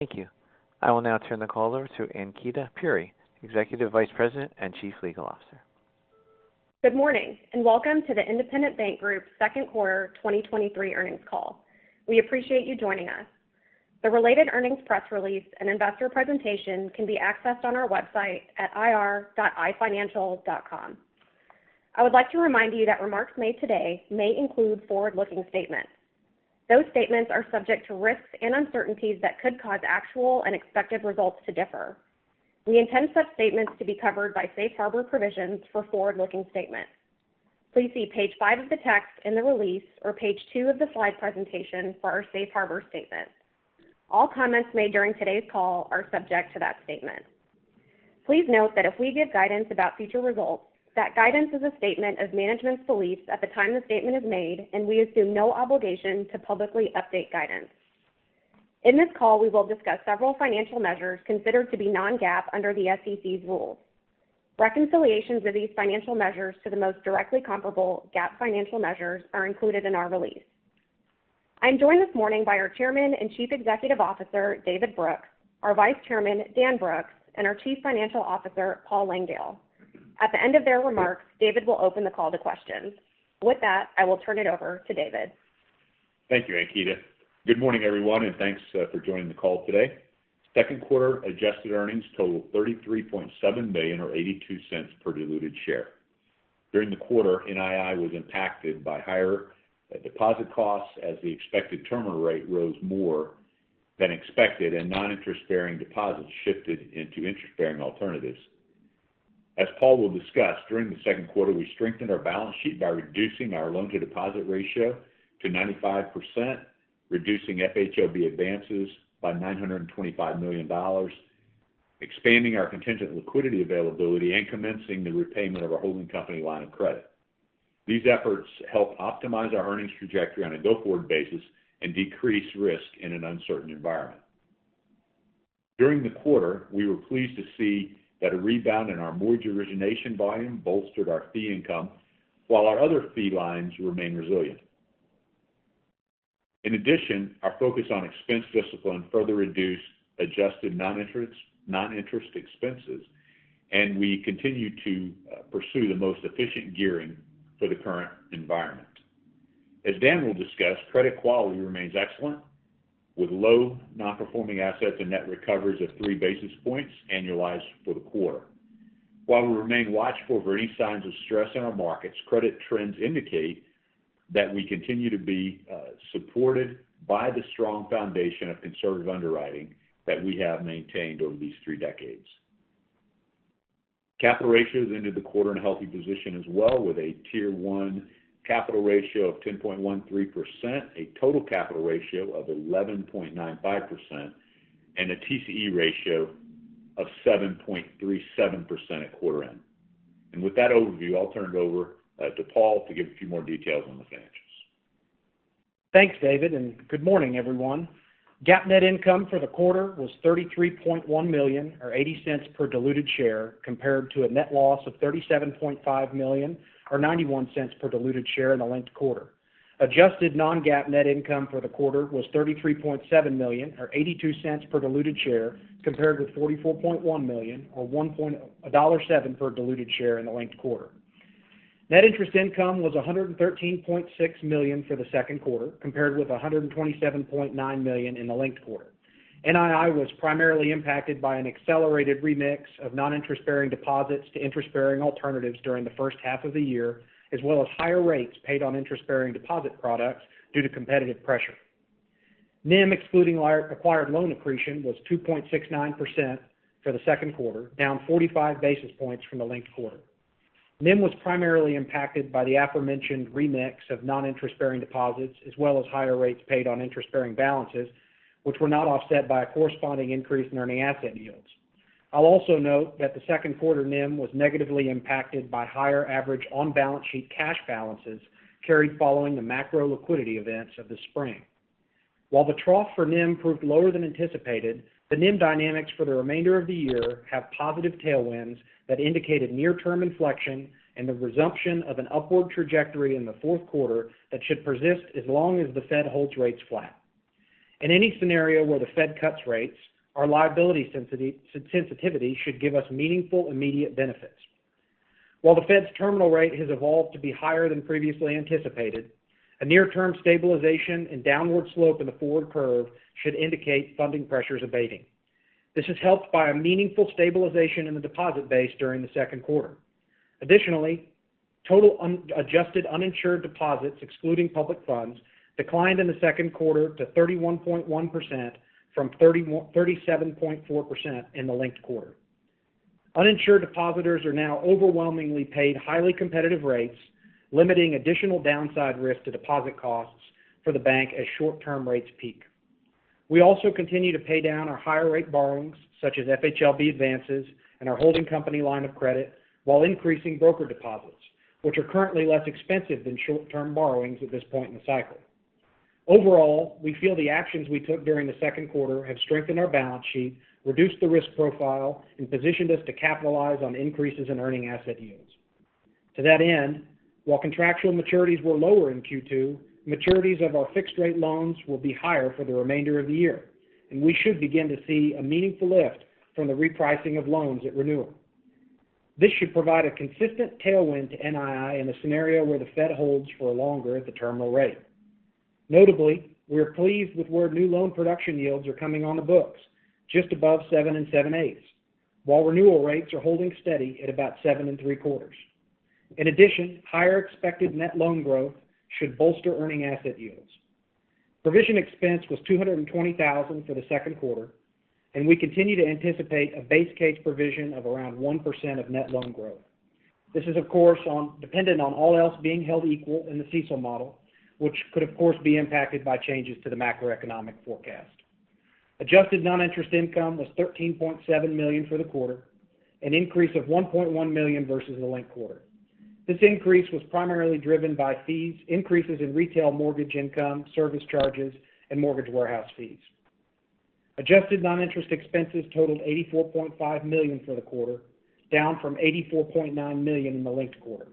Thank you. I will now turn the call over to Ankita Puri, Executive Vice President and Chief Legal Officer. Good morning, welcome to the Independent Bank Group second quarter 2023 earnings call. We appreciate you joining us. The related earnings press release and investor presentation can be accessed on our website at ir.ifinancial.com. I would like to remind you that remarks made today may include forward-looking statements. Those statements are subject to risks and uncertainties that could cause actual and expected results to differ. We intend such statements to be covered by safe harbor provisions for forward-looking statements. Please see page 5 of the text in the release or page 2 of the slide presentation for our safe harbor statement. All comments made during today's call are subject to that statement. Please note that if we give guidance about future results, that guidance is a statement of management's beliefs at the time the statement is made, and we assume no obligation to publicly update guidance. In this call, we will discuss several financial measures considered to be non-GAAP under the SEC's rules. Reconciliations of these financial measures to the most directly comparable GAAP financial measures are included in our release. I'm joined this morning by our Chairman and Chief Executive Officer, David Brooks, our Vice Chairman, Dan Brooks, and our Chief Financial Officer, Paul Langdale. At the end of their remarks, David will open the call to questions. With that, I will turn it over to David. Thank you, Ankita. Good morning, everyone, thanks for joining the call today. Second quarter adjusted earnings totaled $33.7 million or $0.82 per diluted share. During the quarter, NII was impacted by higher deposit costs as the expected terminal rate rose more than expected, non-interest-bearing deposits shifted into interest-bearing alternatives. As Paul will discuss, during the second quarter, we strengthened our balance sheet by reducing our loan-to-deposit ratio to 95%, reducing FHLB advances by $925 million, expanding our contingent liquidity availability, commencing the repayment of our holding company line of credit. These efforts help optimize our earnings trajectory on a go-forward basis and decrease risk in an uncertain environment. During the quarter, we were pleased to see that a rebound in our mortgage origination volume bolstered our fee income, while our other fee lines remained resilient. In addition, our focus on expense discipline further reduced adjusted non-interest expenses, and we continue to pursue the most efficient gearing for the current environment. As Dan will discuss, credit quality remains excellent, with low non-performing assets and net recoveries of 3 basis points annualized for the quarter. While we remain watchful for any signs of stress in our markets, credit trends indicate that we continue to be supported by the strong foundation of conservative underwriting that we have maintained over these 3 decades. Capital ratios ended the quarter in a healthy position as well, with a Tier 1 capital ratio of 10.13%, a total capital ratio of 11.95%, and a TCE ratio of 7.37% at quarter end. With that overview, I'll turn it over to Paul to give a few more details on the financials. Thanks, David. Good morning, everyone. GAAP net income for the quarter was $33.1 million, or $0.80 per diluted share, compared to a net loss of $37.5 million, or $0.91 per diluted share in the linked quarter. Adjusted non-GAAP net income for the quarter was $33.7 million, or $0.82 per diluted share, compared with $44.1 million, or $1.07 per diluted share in the linked quarter. Net interest income was $113.6 million for the second quarter, compared with $127.9 million in the linked quarter. NII was primarily impacted by an accelerated remix of non-interest-bearing deposits to interest-bearing alternatives during the first half of the year, as well as higher rates paid on interest-bearing deposit products due to competitive pressure. NIM, excluding acquired loan accretion, was 2.69% for the second quarter, down 45 basis points from the linked quarter. NIM was primarily impacted by the aforementioned remix of non-interest-bearing deposits, as well as higher rates paid on interest-bearing balances, which were not offset by a corresponding increase in earning asset yields. I'll also note that the second quarter NIM was negatively impacted by higher average on-balance sheet cash balances carried following the macro liquidity events of the spring. While the trough for NIM proved lower than anticipated, the NIM dynamics for the remainder of the year have positive tailwinds that indicate a near-term inflection and the resumption of an upward trajectory in the fourth quarter that should persist as long as the Fed holds rates flat. In any scenario where the Fed cuts rates, our liability sensitivity should give us meaningful, immediate benefits. While the Fed's terminal rate has evolved to be higher than previously anticipated, a near-term stabilization and downward slope in the forward curve should indicate funding pressures abating. This is helped by a meaningful stabilization in the deposit base during the second quarter. Additionally, total adjusted uninsured deposits, excluding public funds, declined in the second quarter to 31.1% from 37.4% in the linked quarter. Uninsured depositors are now overwhelmingly paid highly competitive rates, limiting additional downside risk to deposit costs for the bank as short-term rates peak. We also continue to pay down our higher rate borrowings, such as FHLB advances and our holding company line of credit, while increasing broker deposits, which are currently less expensive than short-term borrowings at this point in the cycle. Overall, we feel the actions we took during the second quarter have strengthened our balance sheet, reduced the risk profile, and positioned us to capitalize on increases in earning asset yields. To that end, while contractual maturities were lower in Q2, maturities of our fixed-rate loans will be higher for the remainder of the year, and we should begin to see a meaningful lift from the repricing of loans at renewal. This should provide a consistent tailwind to NII in a scenario where the Fed holds for longer at the terminal rate. Notably, we are pleased with where new loan production yields are coming on the books, just above 7 and 7/8, while renewal rates are holding steady at about 7 and 3/4. In addition, higher expected net loan growth should bolster earning asset yields. Provision expense was $220,000 for the second quarter. We continue to anticipate a base case provision of around 1% of net loan growth. This is, of course, dependent on all else being held equal in the CECL model, which could, of course, be impacted by changes to the macroeconomic forecast. Adjusted non-interest income was $13.7 million for the quarter, an increase of $1.1 million versus the linked quarter. This increase was primarily driven by fees, increases in retail mortgage income, service charges, and mortgage warehouse fees. Adjusted non-interest expenses totaled $84.5 million for the quarter, down from $84.9 million in the linked quarter.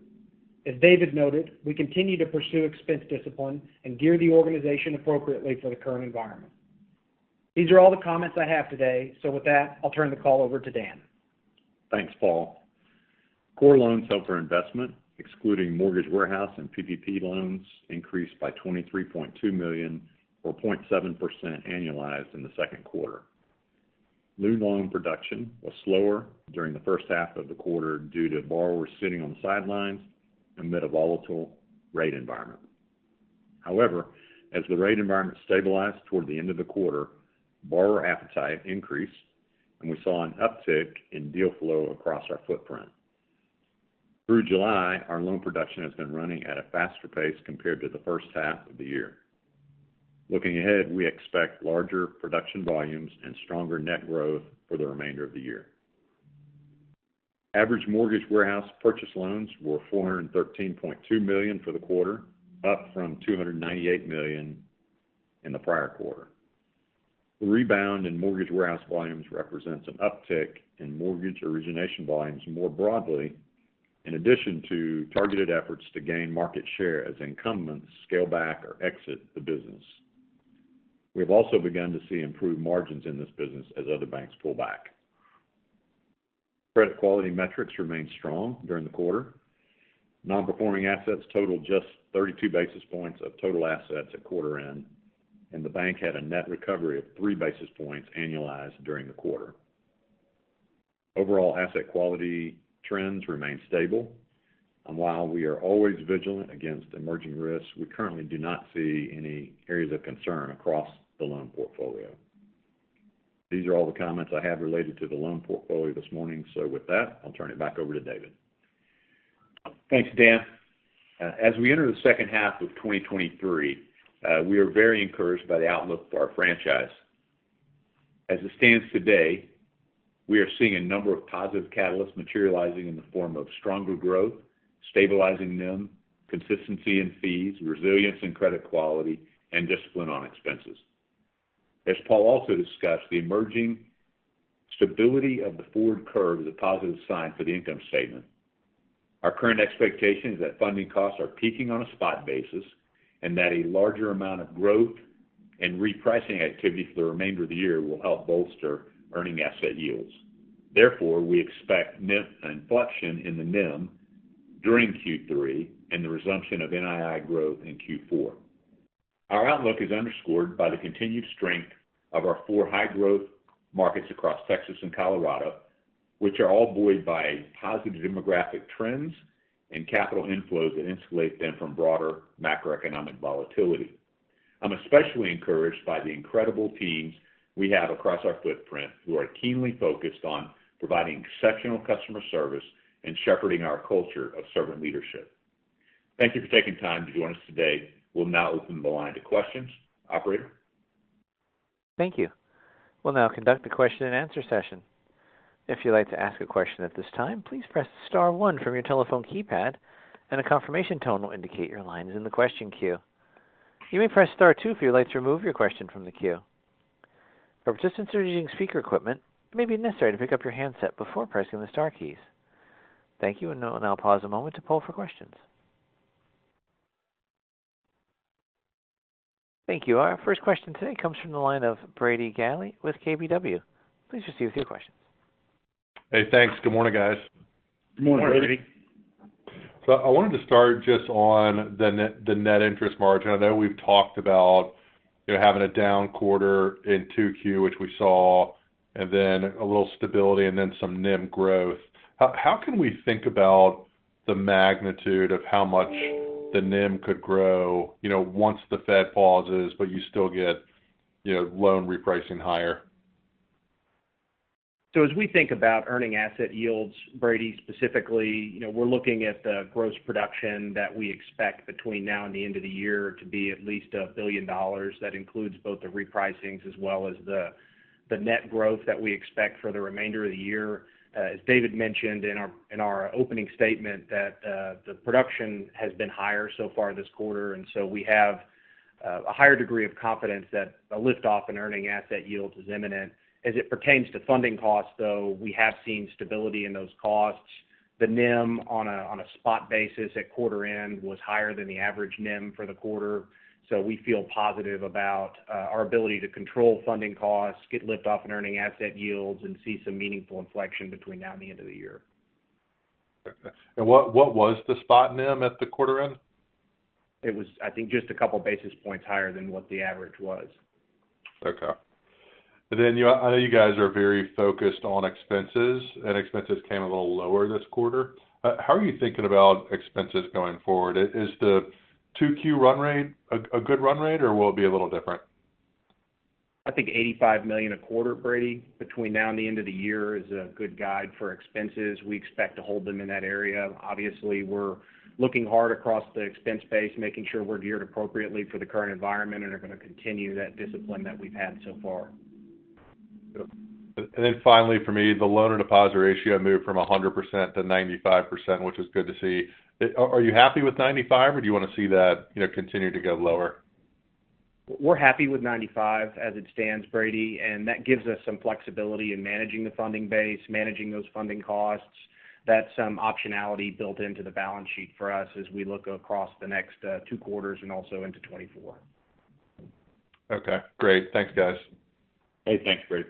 As David noted, we continue to pursue expense discipline and gear the organization appropriately for the current environment. These are all the comments I have today. With that, I'll turn the call over to Dan. Thanks, Paul. Core loans held for investment, excluding mortgage warehouse and PPP loans, increased by $23.2 million or 0.7% annualized in the second quarter. New loan production was slower during the first half of the quarter due to borrowers sitting on the sidelines amid a volatile rate environment. As the rate environment stabilized toward the end of the quarter, borrower appetite increased, and we saw an uptick in deal flow across our footprint. Through July, our loan production has been running at a faster pace compared to the first half of the year. Looking ahead, we expect larger production volumes and stronger net growth for the remainder of the year. Average mortgage warehouse purchase loans were $413.2 million for the quarter, up from $298 million in the prior quarter. The rebound in mortgage warehouse volumes represents an uptick in mortgage origination volumes more broadly, in addition to targeted efforts to gain market share as incumbents scale back or exit the business. We've also begun to see improved margins in this business as other banks pull back. Credit quality metrics remained strong during the quarter. Nonperforming assets totaled just 32 basis points of total assets at quarter end, and the bank had a net recovery of 3 basis points annualized during the quarter. Overall asset quality trends remain stable, and while we are always vigilant against emerging risks, we currently do not see any areas of concern across the loan portfolio. These are all the comments I have related to the loan portfolio this morning. With that, I'll turn it back over to David. Thanks, Dan. As we enter the second half of 2023, we are very encouraged by the outlook for our franchise. As it stands today, we are seeing a number of positive catalysts materializing in the form of stronger growth, stabilizing NIM, consistency in fees, resilience in credit quality, and discipline on expenses. As Paul also discussed, the emerging stability of the forward curve is a positive sign for the income statement. Our current expectation is that funding costs are peaking on a spot basis, and that a larger amount of growth and repricing activity for the remainder of the year will help bolster earning asset yields. Therefore, we expect an inflection in the NIM during Q3 and the resumption of NII growth in Q4. Our outlook is underscored by the continued strength of our four high-growth markets across Texas and Colorado, which are all buoyed by positive demographic trends and capital inflows that insulate them from broader macroeconomic volatility. I'm especially encouraged by the incredible teams we have across our footprint, who are keenly focused on providing exceptional customer service and shepherding our culture of servant leadership. Thank you for taking time to join us today. We'll now open the line to questions. Operator? Thank you. We'll now conduct a question-and-answer session. If you'd like to ask a question at this time, please press star 1 from your telephone keypad, and a confirmation tone will indicate your line is in the question queue. You may press star 2 if you'd like to remove your question from the queue. For participants who are using speaker equipment, it may be necessary to pick up your handset before pressing the star keys. Thank you. We'll now pause a moment to poll for questions. Thank you. Our first question today comes from the line of Brady Gailey with KBW. Please proceed with your questions. Hey, thanks. Good morning, guys. Good morning, Brady. Good morning. I wanted to start just on the net, the net interest margin. I know we've talked about, you know, having a down quarter in 2Q, which we saw, and then a little stability and then some NIM growth. How can we think about the magnitude of how much the NIM could grow, you know, once the Fed pauses, but you still get, you know, loan repricing higher? As we think about earning asset yields, Brady, specifically, you know, we're looking at the gross production that we expect between now and the end of the year to be at least $1 billion. That includes both the repricings as well as the net growth that we expect for the remainder of the year. As David mentioned in our, in our opening statement, that, the production has been higher so far this quarter, and so we have. A higher degree of confidence that a lift-off in earning asset yields is imminent. As it pertains to funding costs, though, we have seen stability in those costs. The NIM on a spot basis at quarter end was higher than the average NIM for the quarter. We feel positive about our ability to control funding costs, get lift off in earning asset yields, and see some meaningful inflection between now and the end of the year. Okay. What was the spot NIM at the quarter end? It was, I think, just a couple basis points higher than what the average was. Okay. I know you guys are very focused on expenses. Expenses came a little lower this quarter. How are you thinking about expenses going forward? Is the 2Q run rate a good run rate, or will it be a little different? I think $85 million a quarter, Brady, between now and the end of the year is a good guide for expenses. We expect to hold them in that area. Obviously, we're looking hard across the expense base, making sure we're geared appropriately for the current environment and are going to continue that discipline that we've had so far. Finally, for me, the loan-to-deposit ratio moved from 100% to 95%, which is good to see. Are you happy with 95%, or do you want to see that, you know, continue to go lower? We're happy with 95 as it stands, Brady, that gives us some flexibility in managing the funding base, managing those funding costs. That's some optionality built into the balance sheet for us as we look across the next 2 quarters and also into 2024. Okay, great. Thanks, guys. Hey, thanks, Brady.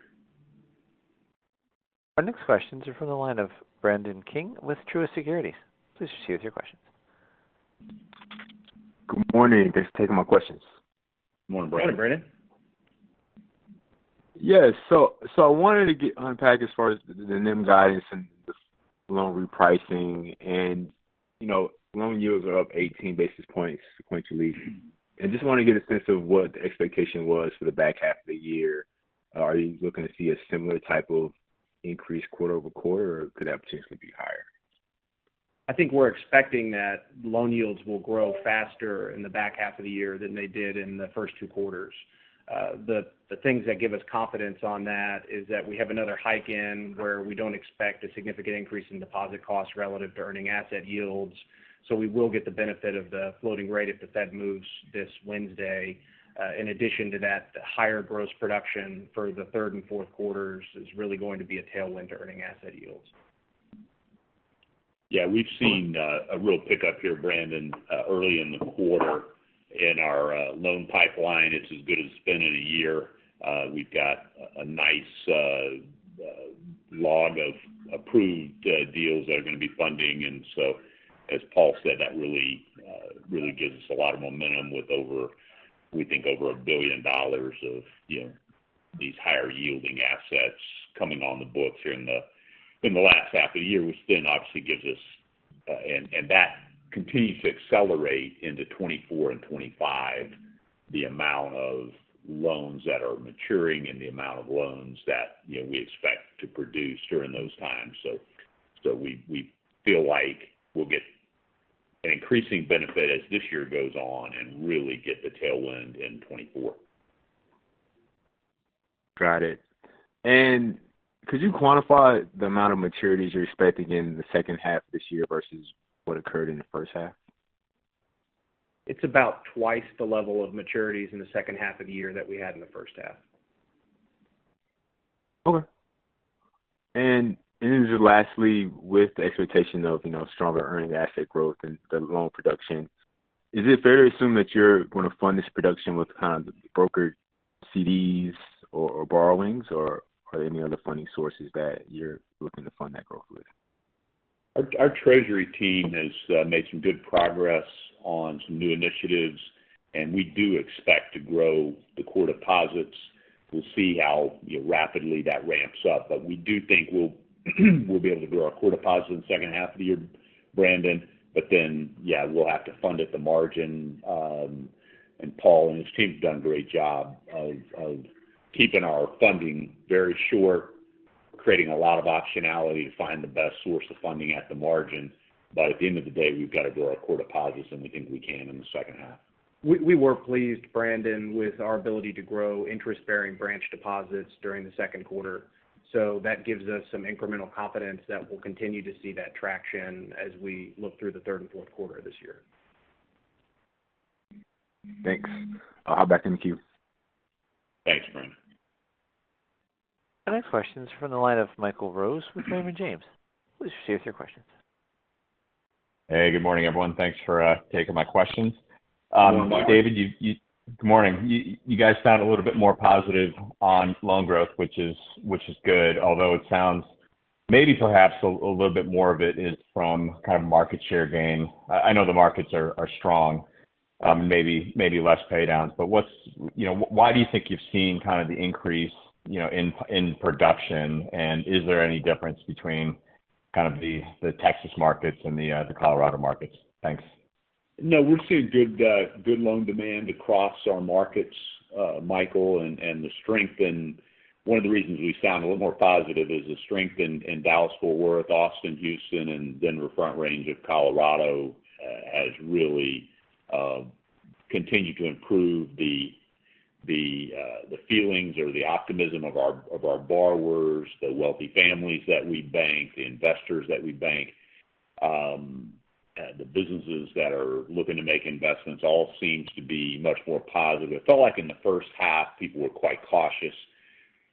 Our next questions are from the line of Brandon King with Truist Securities. Please proceed with your questions. Good morning. Thanks for taking my questions. Good morning, Brandon. Morning, Brandon. Yes. I wanted to unpack as far as the NIM guidance and the loan repricing. You know, loan yields are up 18 basis points sequentially. I just want to get a sense of what the expectation was for the back half of the year. Are you looking to see a similar type of increase quarter-over-quarter, or could that potentially be higher? I think we're expecting that loan yields will grow faster in the back half of the year than they did in the first two quarters. The things that give us confidence on that is that we have another hike in, where we don't expect a significant increase in deposit costs relative to earning asset yields. We will get the benefit of the floating rate if the Fed moves this Wednesday. In addition to that, the higher gross production for the third and fourth quarters is really going to be a tailwind to earning asset yields. Yeah, we've seen, a real pickup here, Brandon, early in the quarter in our, loan pipeline. It's as good as it's been in a year. We've got a nice, log of approved, deals that are going to be funding. As Paul said, that really, really gives us a lot of momentum with over, we think, over $1 billion of, you know, these higher-yielding assets coming on the books here in the, in the last half of the year, which then obviously gives us. That continues to accelerate into 2024 and 2025, the amount of loans that are maturing and the amount of loans that, you know, we expect to produce during those times. We feel like we'll get an increasing benefit as this year goes on and really get the tailwind in 2024. Got it. Could you quantify the amount of maturities you're expecting in the second half of this year versus what occurred in the first half? It's about twice the level of maturities in the second half of the year that we had in the first half. Okay. Just lastly, with the expectation of, you know, stronger earning asset growth and the loan production, is it fair to assume that you're going to fund this production with brokered CDs or borrowings, or are there any other funding sources that you're looking to fund that growth with? Our treasury team has made some good progress on some new initiatives. We do expect to grow the core deposits. We'll see how, you know, rapidly that ramps up. We do think we'll be able to grow our core deposits in the second half of the year, Brandon. Yeah, we'll have to fund at the margin. Paul and his team have done a great job of keeping our funding very short, creating a lot of optionality to find the best source of funding at the margin. At the end of the day, we've got to grow our core deposits, and we think we can in the second half. We were pleased, Brandon, with our ability to grow interest-bearing branch deposits during the second quarter. That gives us some incremental confidence that we'll continue to see that traction as we look through the third and fourth quarter of this year. Thanks. I'll hop back in the queue. Thanks, Brandon. The next question is from the line of Michael Rose with Raymond James. Please proceed with your questions. Hey, good morning, everyone. Thanks for taking my questions. Good morning, Michael. David, good morning. You guys sound a little bit more positive on loan growth, which is good. Although it sounds maybe perhaps a little bit more of it is from kind of market share gain. I know the markets are strong, maybe less pay downs. What's, you know, why do you think you've seen kind of the increase, you know, in production? And is there any difference between kind of the Texas markets and the Colorado markets? Thanks. No, we're seeing good loan demand across our markets, Michael, and the strength in. One of the reasons we sound a little more positive is the strength in Dallas-Fort Worth, Austin, Houston, and Denver front range of Colorado has really continued to improve the feelings or the optimism of our borrowers, the wealthy families that we bank, the investors that we bank, the businesses that are looking to make investments, all seems to be much more positive. It felt like in the first half, people were quite cautious.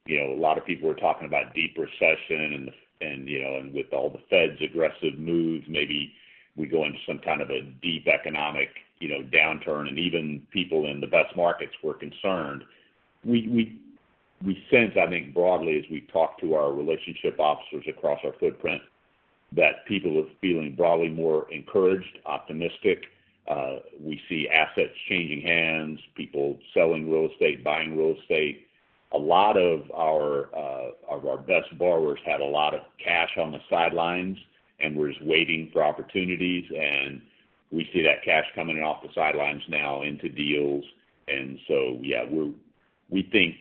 You know, a lot of people were talking about deep recession and, you know, with all the Fed's aggressive moves, maybe we go into some kind of a deep economic, you know, downturn, and even people in the best markets were concerned. We sense, I think, broadly, as we talk to our relationship officers across our footprint, that people are feeling broadly more encouraged, optimistic. We see assets changing hands, people selling real estate, buying real estate. A lot of our of our best borrowers had a lot of cash on the sidelines and were just waiting for opportunities, and we see that cash coming off the sidelines now into deals. Yeah, we think,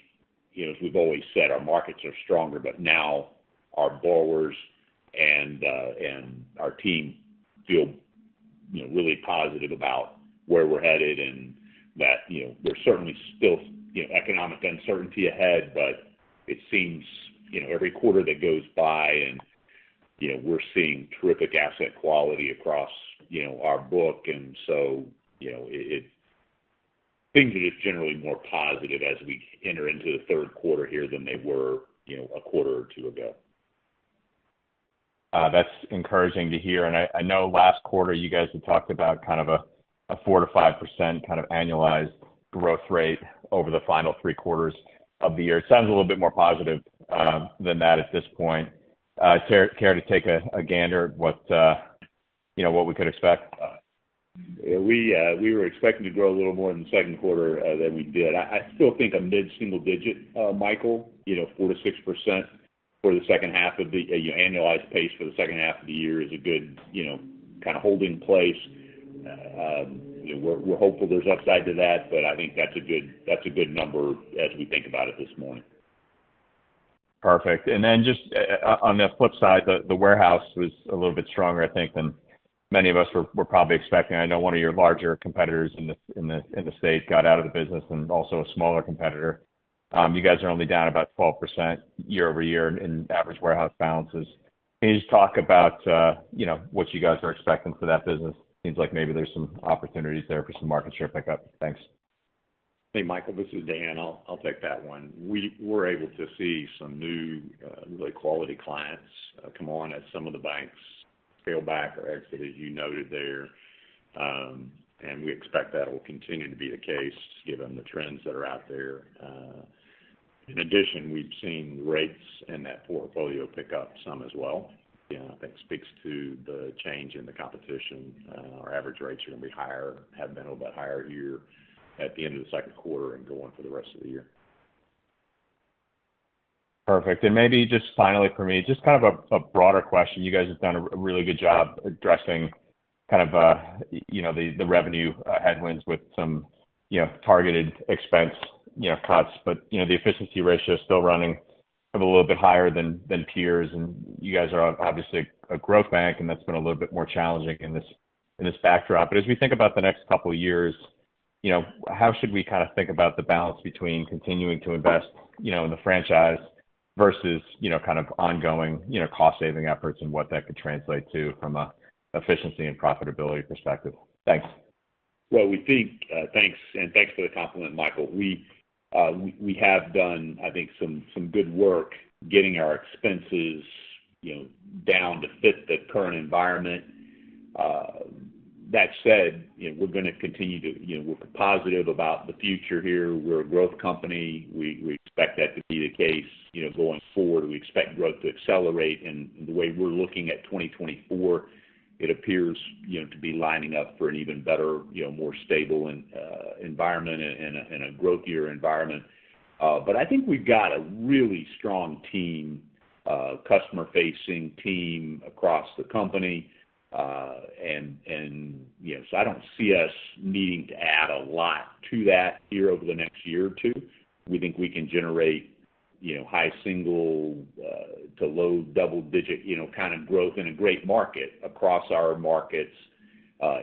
you know, as we've always said, our markets are stronger, but now our borrowers and our team feel, you know, really positive about where we're headed and that, you know, there's certainly still, you know, economic uncertainty ahead, but it seems, you know, every quarter that goes by and, you know, we're seeing terrific asset quality across, you know, our book. You know, it. things are just generally more positive as we enter into the third quarter here than they were, you know, a quarter or two ago. That's encouraging to hear. I know last quarter you guys had talked about kind of a 4%-5% kind of annualized growth rate over the final 3 quarters of the year. It sounds a little bit more positive than that at this point. Care to take a gander at what, you know, what we could expect? We were expecting to grow a little more in the second quarter than we did. I still think a mid-single digit, Michael, you know, 4%-6% for the second half of the annualized pace for the second half of the year is a good, you know, kind of holding place. We're hopeful there's upside to that, but I think that's a good number as we think about it this morning. Perfect. Just on the flip side, the warehouse was a little bit stronger, I think, than many of us were probably expecting. I know one of your larger competitors in the state got out of the business and also a smaller competitor. You guys are only down about 12% year-over-year in average warehouse balances. Can you just talk about, you know, what you guys are expecting for that business? Seems like maybe there's some opportunities there for some market share pickup. Thanks. Hey, Michael, this is Dan. I'll take that one. We were able to see some new, really quality clients, come on as some of the banks fail back or exit, as you noted there. We expect that will continue to be the case, given the trends that are out there. In addition, we've seen rates in that portfolio pick up some as well. Again, I think speaks to the change in the competition. Our average rates are going to be higher, have been a little bit higher here at the end of the second quarter and going for the rest of the year. Perfect. Maybe just finally, for me, just kind of a broader question. You guys have done a really good job addressing kind of, you know, the revenue, headwinds with some, you know, targeted expense, you know, cuts. You know, the efficiency ratio is still running a little bit higher than peers, and you guys are obviously a growth bank, and that's been a little bit more challenging in this, in this backdrop. As we think about the next couple of years, you know, how should we kind of think about the balance between continuing to invest, you know, in the franchise versus, you know, kind of ongoing, you know, cost-saving efforts and what that could translate to from a efficiency and profitability perspective? Thanks. Well, we think, thanks, and thanks for the compliment, Michael. We have done, I think, some good work getting our expenses, you know, down to fit the current environment. That said, you know, we're going to continue. You know, we're positive about the future here. We're a growth company. We expect that to be the case, you know, going forward. We expect growth to accelerate. The way we're looking at 2024, it appears, you know, to be lining up for an even better, you know, more stable and environment and a growthier environment. I think we've got a really strong team, customer-facing team across the company. You know, I don't see us needing to add a lot to that here over the next year or two. We think we can generate, you know, high single to low double-digit, you know, kind of growth in a great market across our markets.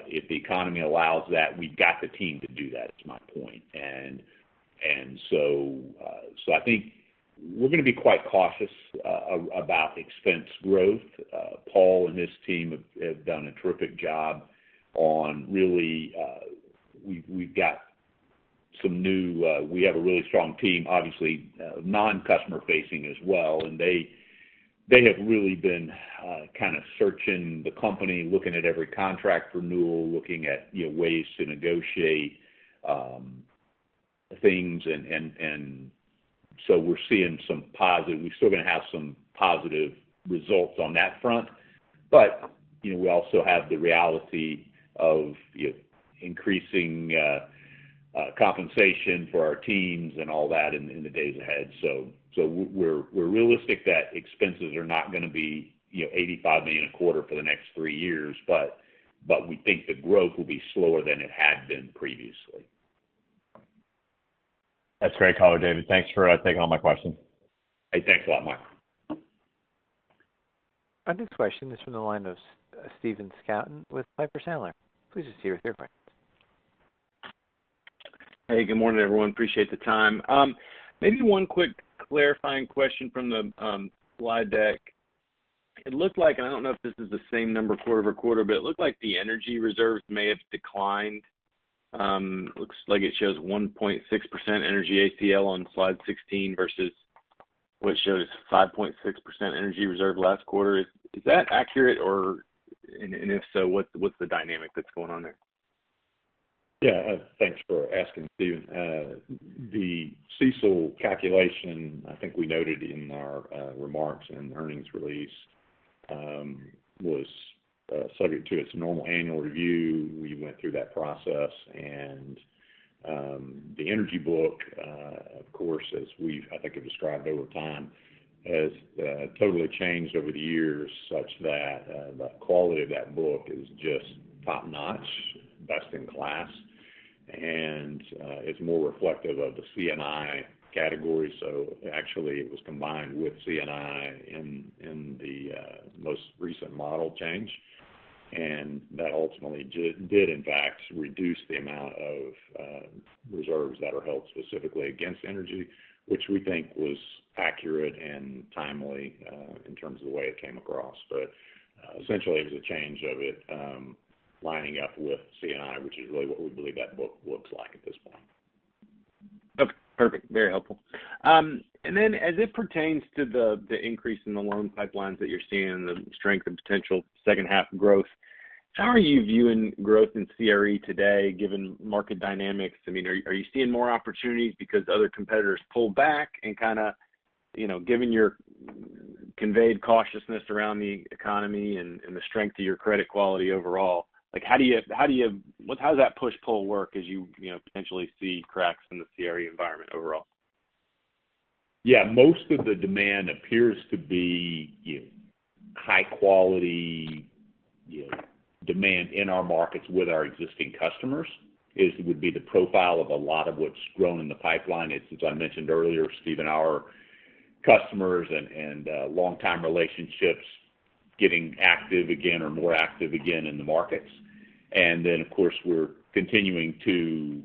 If the economy allows that, we've got the team to do that, is my point. I think we're going to be quite cautious about expense growth. Paul and his team have done a terrific job on really, we've got some new, we have a really strong team, obviously, non-customer facing as well, and they have really been kind of searching the company, looking at every contract renewal, looking at, you know, ways to negotiate things. We're still going to have some positive results on that front. You know, we also have the reality of, you know, increasing compensation for our teams and all that in the days ahead. We're realistic that expenses are not going to be, you know, $85 million a quarter for the next three years, but we think the growth will be slower than it had been previously. That's great, caller David. Thanks for taking all my questions. Hey, thanks a lot, Michael. Our next question is from the line of Stephen Scouten with Piper Sandler. Please proceed with your question. Hey, good morning, everyone. Appreciate the time. maybe one quick clarifying question from the slide deck. It looked like, and I don't know if this is the same number quarter-over-quarter, but it looked like the energy reserves may have declined. looks like it shows 1.6% energy ACL on Slide 16 versus what shows 5.6% energy reserve last quarter. Is that accurate? If so, what's the dynamic that's going on there? Yeah, thanks for asking, Stephen. The CECL calculation, I think we noted in our remarks and earnings release, was subject to its normal annual review. We went through that process, the energy book, of course, as we've, I think, have described over time, has totally changed over the years, such that the quality of that book is just top-notch, best-in-class, and it's more reflective of the C&I category. Actually, it was combined with C&I in the most recent model change. That ultimately did in fact, reduce the amount of reserves that are held specifically against energy, which we think was accurate and timely in terms of the way it came across. Essentially, it was a change of it, lining up with C&I, which is really what we believe that book looks like at this point. Okay, perfect. Very helpful. As it pertains to the increase in the loan pipelines that you're seeing and the strength and potential second half growth, how are you viewing growth in CRE today, given market dynamics? I mean, are you seeing more opportunities because other competitors pulled back and kind of, you know, given your conveyed cautiousness around the economy and the strength of your credit quality overall? Like, how does that push-pull work as you know, potentially see cracks in the CRE environment overall? Yeah, most of the demand appears to be high quality, you know, demand in our markets with our existing customers, would be the profile of a lot of what's grown in the pipeline. It's as I mentioned earlier, Stephen, our customers and long-time relationships getting active again or more active again in the markets. Of course, we're continuing to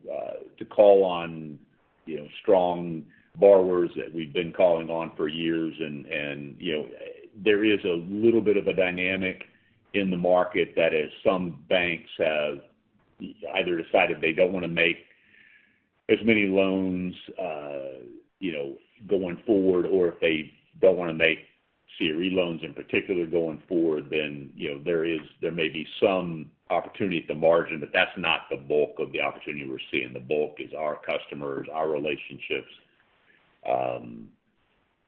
call on, you know, strong borrowers that we've been calling on for years. You know, there is a little bit of a dynamic in the market that is some banks have either decided they don't want to make as many loans, you know, going forward, or if they don't want to make CRE loans in particular going forward, you know, there may be some opportunity at the margin, that's not the bulk of the opportunity we're seeing. The bulk is our customers, our relationships,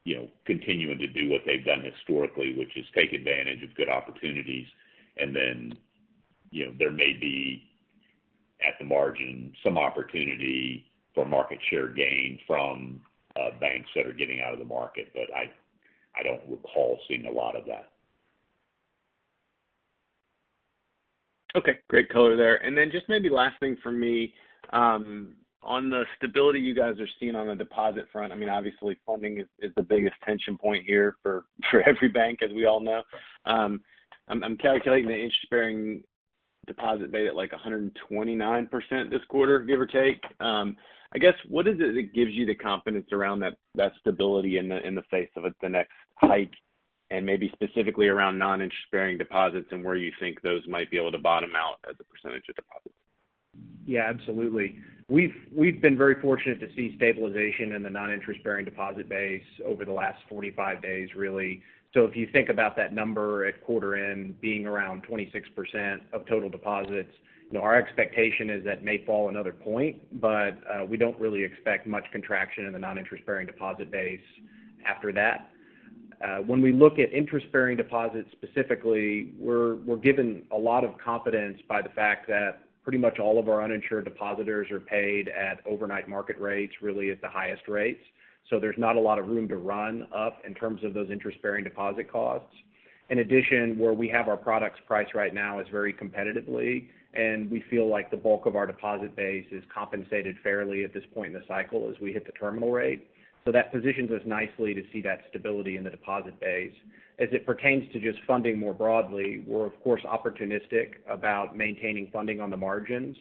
you know, continuing to do what they've done historically, which is take advantage of good opportunities. Then, you know, there may be, at the margin, some opportunity for market share gain from banks that are getting out of the market, but I don't recall seeing a lot of that. Okay, great color there. Just maybe last thing for me, on the stability you guys are seeing on the deposit front, I mean, obviously, funding is the biggest tension point here for every bank, as we all know. I'm calculating the interest-bearing deposit base at, like, 129% this quarter, give or take. I guess, what is it that gives you the confidence around that stability in the, in the face of the next hike and maybe specifically around non-interest-bearing deposits and where you think those might be able to bottom out as a percentage of deposits? Yeah, absolutely. We've been very fortunate to see stabilization in the non-interest-bearing deposit base over the last 45 days, really. If you think about that number at quarter end being around 26% of total deposits, you know, our expectation is that may fall another 1 point, but we don't really expect much contraction in the non-interest-bearing deposit base after that. When we look at interest-bearing deposits specifically, we're given a lot of confidence by the fact that pretty much all of our uninsured depositors are paid at overnight market rates, really at the highest rates. There's not a lot of room to run up in terms of those interest-bearing deposit costs. In addition, where we have our products priced right now is very competitively, and we feel like the bulk of our deposit base is compensated fairly at this point in the cycle as we hit the terminal rate. That positions us nicely to see that stability in the deposit base. As it pertains to just funding more broadly, we're of course, opportunistic about maintaining funding on the margins.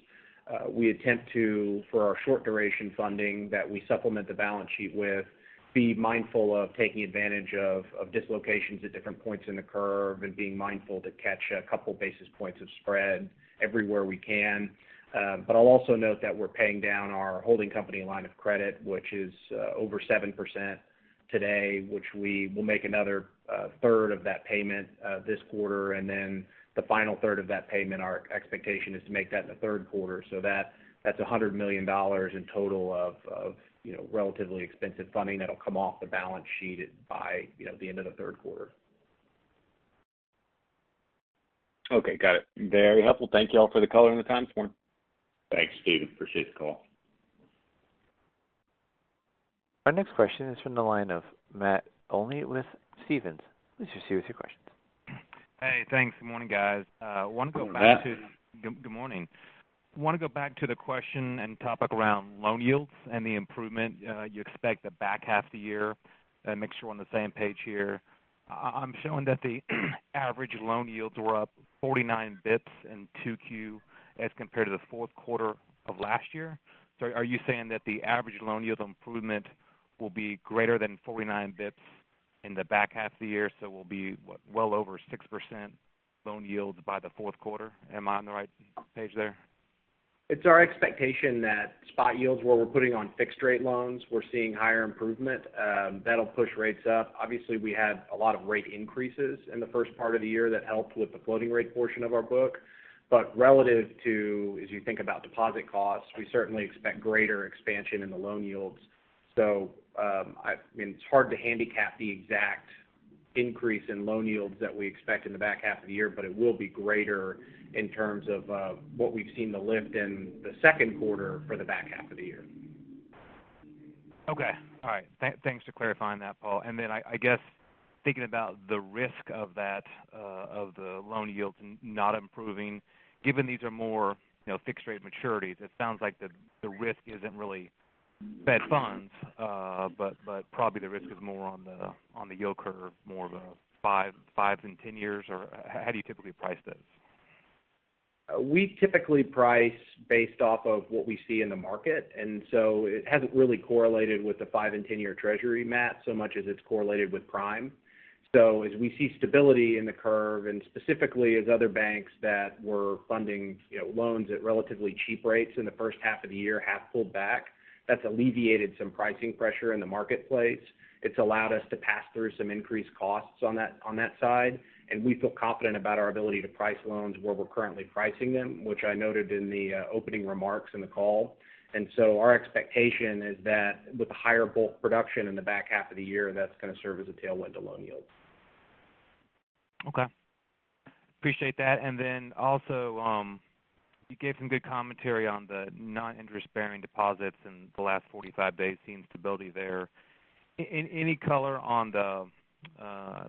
We attempt to, for our short duration funding, that we supplement the balance sheet with, be mindful of taking advantage of dislocations at different points in the curve and being mindful to catch a couple basis points of spread everywhere we can. I'll also note that we're paying down our holding company line of credit, which is over 7% today, which we will make another third of that payment, this quarter, and then the final third of that payment, our expectation is to make that in the third quarter. That's $100 million in total of relatively expensive funding that'll come off the balance sheet by the end of the third quarter. Okay, got it. Very helpful. Thank you all for the color and the time spent. Thanks, Steven. Appreciate the call. Our next question is from the line of Matt Olney with Stephens. Please proceed with your questions. Hey, thanks. Good morning, guys. I want to go back. Good morning, Matt. Good morning. I want to go back to the question and topic around loan yields and the improvement you expect the back half of the year and make sure we're on the same page here. I'm showing that the average loan yields were up 49 basis points in 2Q as compared to the fourth quarter of last year. Are you saying that the average loan yield improvement will be greater than 49 basis points in the back half of the year, so will be what? Well over 6% loan yields by the fourth quarter. Am I on the right page there? It's our expectation that spot yields, where we're putting on fixed rate loans, we're seeing higher improvement, that'll push rates up. Obviously, we had a lot of rate increases in the first part of the year that helped with the floating rate portion of our book. Relative to, as you think about deposit costs, we certainly expect greater expansion in the loan yields. It's hard to handicap the exact increase in loan yields that we expect in the back half of the year, but it will be greater in terms of what we've seen the lift in the second quarter for the back half of the year. Okay. All right. Thanks for clarifying that, Paul. I guess, thinking about the risk of that, of the loan yields not improving, given these are more, you know, fixed rate maturities, it sounds like the risk isn't really bad funds, but probably the risk is more on the, on the yield curve, more of a five and 10 years, or how do you typically price this? We typically price based off of what we see in the market. It hasn't really correlated with the five and 10-year Treasury, Matt, so much as it's correlated with Prime. As we see stability in the curve, and specifically as other banks that were funding, you know, loans at relatively cheap rates in the first half of the year have pulled back, that's alleviated some pricing pressure in the marketplace. It's allowed us to pass through some increased costs on that, on that side. We feel confident about our ability to price loans where we're currently pricing them, which I noted in the opening remarks in the call. Our expectation is that with the higher bulk production in the back half of the year, that's going to serve as a tailwind to loan yields. Okay. Appreciate that. You gave some good commentary on the non-interest-bearing deposits in the last 45 days, seeing stability there. Any color on the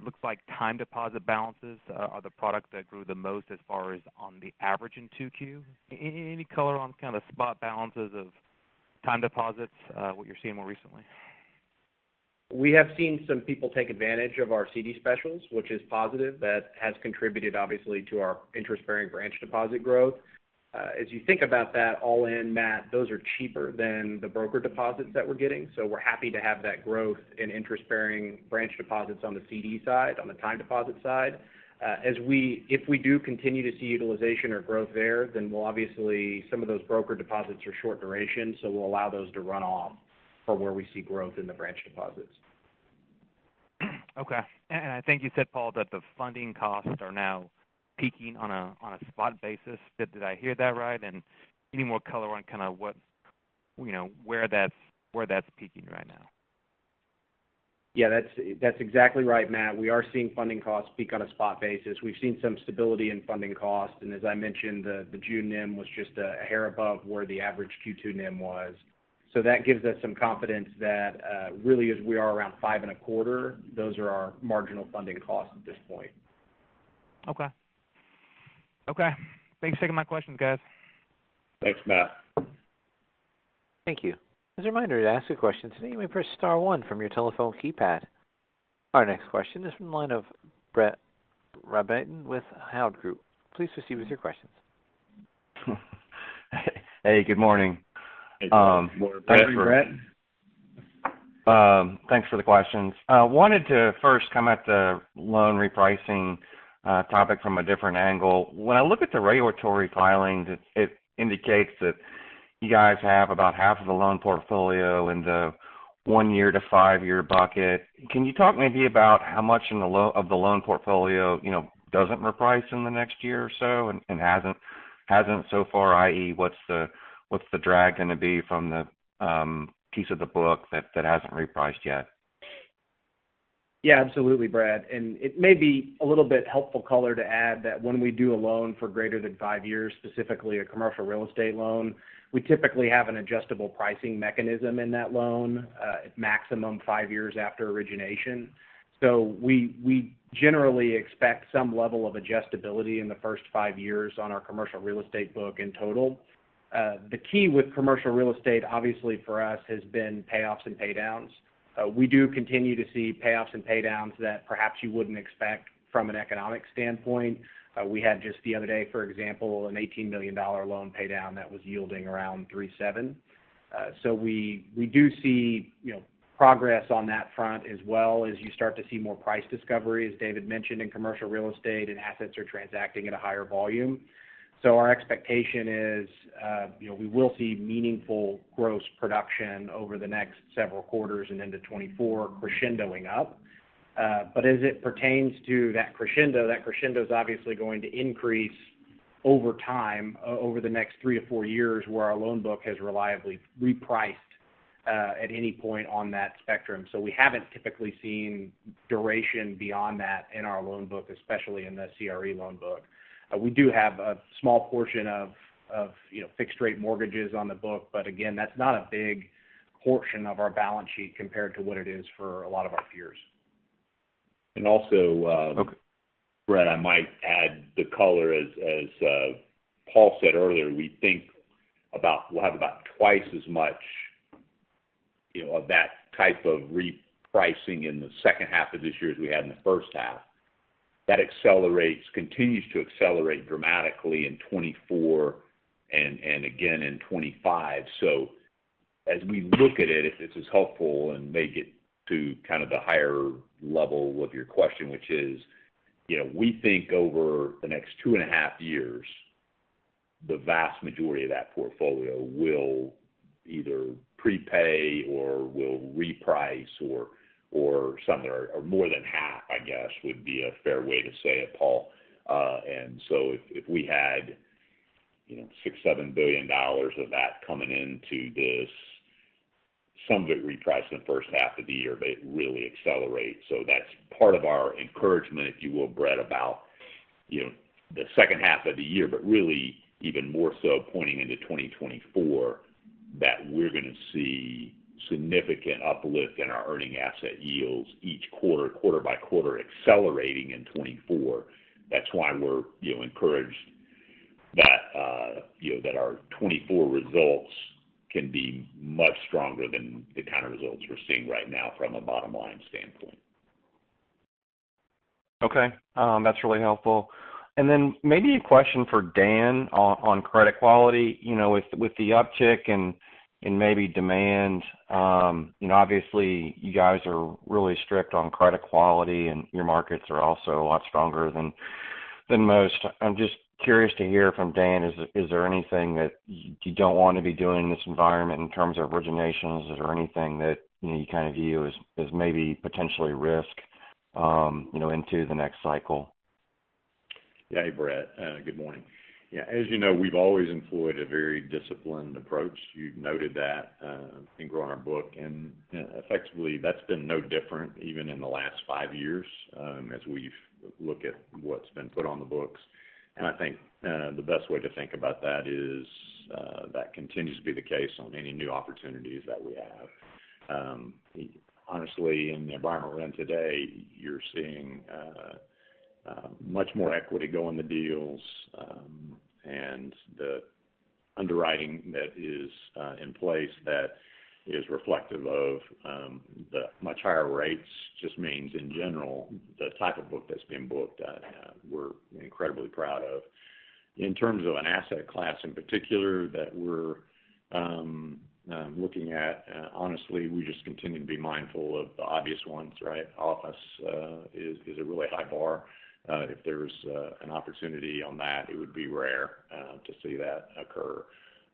looks like time deposit balances are the products that grew the most as far as on the average in Q2. Any color on kind of spot balances of time deposits, what you're seeing more recently? We have seen some people take advantage of our CD specials, which is positive. That has contributed, obviously, to our interest-bearing branch deposit growth. As you think about that all in, Matt, those are cheaper than the broker deposits that we're getting. We're happy to have that growth in interest-bearing branch deposits on the CD side, on the time deposit side. If we do continue to see utilization or growth there, we'll obviously. Some of those broker deposits are short duration. We'll allow those to run off for where we see growth in the branch deposits. Okay. I think you said, Paul, that the funding costs are now peaking on a spot basis. Did I hear that right? Any more color on kind of what, you know, where that's peaking right now? Yeah, that's exactly right, Matt. We are seeing funding costs peak on a spot basis. We've seen some stability in funding costs, and as I mentioned, the June NIM was just a hair above where the average Q2 NIM was. That gives us some confidence that really, as we are around 5.25%, those are our marginal funding costs at this point. Okay. Okay, thanks for taking my questions, guys. Thanks, Matt. Thank you. As a reminder, to ask a question today, you may press star one from your telephone keypad. Our next question is from the line of Brett Rabatin with Hovde Group. Please proceed with your questions. Hey, good morning. Hey, good morning, Brett. Good morning, Brett. Thanks for the questions. wanted to first come at the loan repricing topic from a different angle. When I look at the regulatory filings, it indicates that you guys have about half of the loan portfolio in the 1 year to 5 year bucket. Can you talk maybe about how much of the loan portfolio, you know, doesn't reprice in the next year or so and hasn't so far, i.e., what's the drag going to be from the piece of the book that hasn't repriced yet? Yeah, absolutely, Brett. It may be a little bit helpful color to add that when we do a loan for greater than five years, specifically a commercial real estate loan, we typically have an adjustable pricing mechanism in that loan, at maximum five years after origination. We generally expect some level of adjustability in the first five years on our commercial real estate book in total. The key with commercial real estate, obviously, for us, has been payoffs and pay downs. We do continue to see payoffs and pay downs that perhaps you wouldn't expect from an economic standpoint. We had just the other day, for example, an $18 million loan pay down that was yielding around 3.7%. We do see, you know, progress on that front as well as you start to see more price discovery, as David mentioned, in commercial real estate and assets are transacting at a higher volume. Our expectation is, you know, we will see meaningful gross production over the next several quarters and into 2024 crescendoing up. As it pertains to that crescendo, that crescendo is obviously going to increase over time, over the next three or four years, where our loan book has reliably repriced, at any point on that spectrum. We haven't typically seen duration beyond that in our loan book, especially in the CRE loan book. We do have a small portion of, you know, fixed-rate mortgages on the book, but again, that's not a big portion of our balance sheet compared to what it is for a lot of our peers. Also, Brett, I might add the color, as Paul said earlier, we'll have about twice as much, you know, of that type of repricing in the second half of this year as we had in the first half. That accelerates, continues to accelerate dramatically in 2024 and again in 2025. As we look at it, if this is helpful, and make it to kind of the higher level of your question, which is, you know, we think over the next two and a half years, the vast majority of that portfolio will either prepay or will reprice or some are more than half, I guess, would be a fair way to say it, Paul. If, if we had, you know, $6 billion-$7 billion of that coming into this, some of it repriced in the first half of the year, but it really accelerates. That's part of our encouragement, if you will, Brett, about, you know, the second half of the year, but really even more so pointing into 2024, that we're gonna see significant uplift in our earning asset yields each quarter by quarter, accelerating in 2024. That's why we're, you know, encouraged that, you know, that our 2024 results can be much stronger than the kind of results we're seeing right now from a bottom-line standpoint. Okay, that's really helpful. Maybe a question for Dan on credit quality. You know, with the uptick in maybe demand, you know, obviously, you guys are really strict on credit quality, and your markets are also a lot stronger than most. I'm just curious to hear from Dan, is there anything that you don't want to be doing in this environment in terms of originations? Is there anything that, you know, you kind of view as maybe potentially risk, you know, into the next cycle? Yeah. Hey, Brett, good morning. Yeah, as you know, we've always employed a very disciplined approach. You've noted that, in growing our book, and effectively, that's been no different, even in the last five years, as we've look at what's been put on the books. I think, the best way to think about that is, that continues to be the case on any new opportunities that we have. Honestly, in the environment we're in today, you're seeing much more equity go in the deals, and the underwriting that is in place that is reflective of the much higher rates, just means in general, the type of book that's been booked, we're incredibly proud of. In terms of an asset class in particular that we're looking at, honestly, we just continue to be mindful of the obvious ones, right? Office is a really high bar. If there's an opportunity on that, it would be rare to see that occur.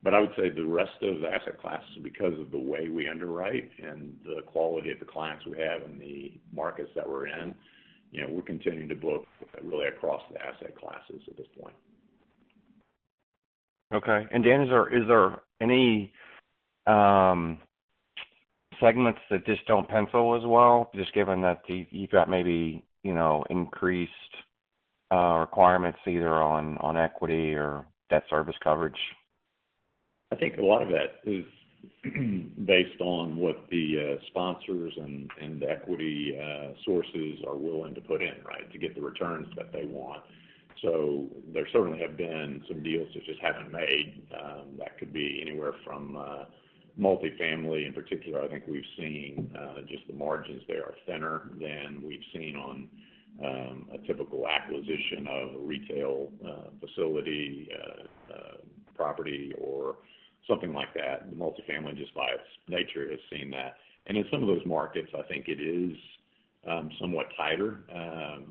I would say the rest of the asset classes, because of the way we underwrite and the quality of the clients we have and the markets that we're in, you know, we're continuing to book really across the asset classes at this point. Okay. Dan, is there, is there any segments that just don't pencil as well, just given that you've got maybe, you know, increased requirements either on equity or debt service coverage? I think a lot of that is, based on what the sponsors and equity sources are willing to put in, right, to get the returns that they want. There certainly have been some deals that just haven't made. That could be anywhere from multifamily in particular. I think we've seen, just the margins there are thinner than we've seen on a typical acquisition of a retail facility, property, or something like that. The multifamily, just by its nature, has seen that. In some of those markets, I think it is somewhat tighter,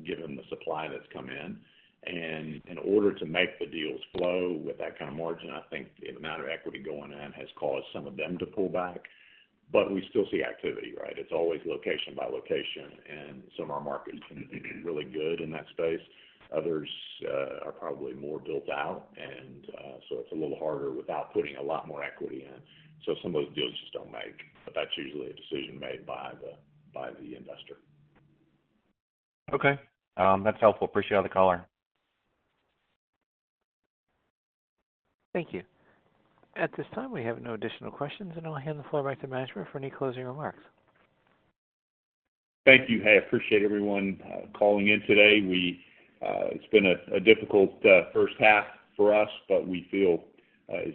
given the supply that's come in. In order to make the deals flow with that kind of margin, I think the amount of equity going in has caused some of them to pull back, but we still see activity, right? It's always location by location, and some of our markets can be really good in that space. Others are probably more built out, and so it's a little harder without putting a lot more equity in. Some of those deals just don't make, but that's usually a decision made by the, by the investor. Okay, that's helpful. Appreciate all the color. Thank you. At this time, we have no additional questions, and I'll hand the floor back to management for any closing remarks. Thank you. I appreciate everyone calling in today. It's been a difficult first half for us, but we feel as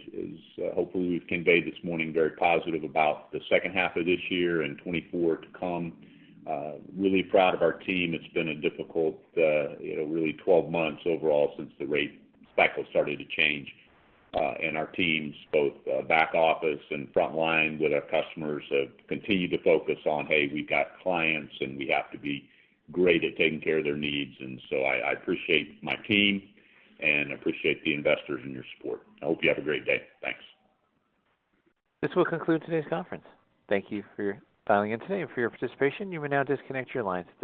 hopefully we've conveyed this morning, very positive about the second half of this year and 2024 to come. Really proud of our team. It's been a difficult, you know, really 12 months overall since the rate cycle started to change. Our teams, both back office and frontline with our customers, have continued to focus on, "Hey, we've got clients, and we have to be great at taking care of their needs." I appreciate my team, and I appreciate the investors and your support. I hope you have a great day. Thanks. This will conclude today's conference. Thank you for dialing in today and for your participation. You may now disconnect your lines.